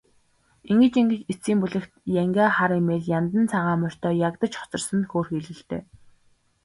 Ингэж ингэж эцсийн бүлэгт янгиа хар эмээл, яндан цагаан морьтой ягдаж хоцорсон нь хөөрхийлөлтэй.